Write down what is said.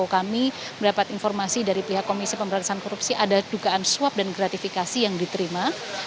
kami mendapat informasi dari pihak komisi pemberantasan korupsi ada dugaan swab dan gratifikasi yang diterima